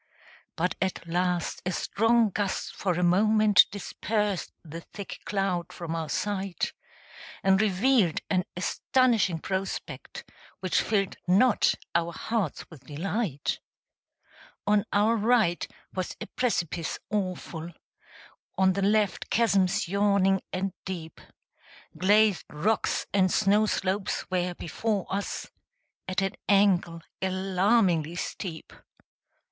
But at last a strong gust for a moment Dispersed the thick cloud from our sight, And revealed an astonishing prospect, Which filled not our hearts with delight: On our right was a precipice awful; On the left chasms yawning and deep; Glazed rocks and snow slopes were before us, At an angle alarmingly steep.